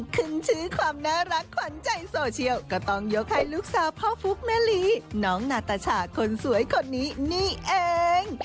ขึ้นชื่อความน่ารักขวัญใจโซเชียลก็ต้องยกให้ลูกสาวพ่อฟุ๊กแม่ลีน้องนาตาชาคนสวยคนนี้นี่เอง